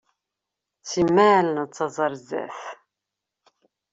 Simmal nettaẓ ɣer zdat.